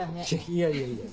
いやいやいや。